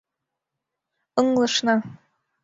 — Ыҥлышна.